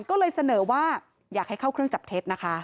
ก็เลยเสนอว่าอยากให้เข้าเครื่องจับเท็จนะคะ